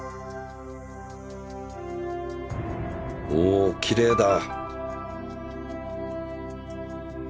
おきれいだ。